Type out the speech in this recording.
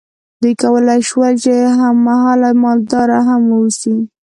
دوی کولی شول چې هم مهاله مالدار هم واوسي.